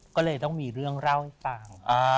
ก็เลยต้องมีเรื่องเล่าให้ฟัง